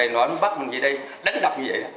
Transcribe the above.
nó bắt mình về đây đánh đập như vậy